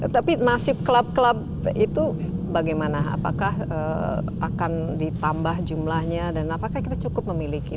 tapi nasib klub klub itu bagaimana apakah akan ditambah jumlahnya dan apakah kita cukup memiliki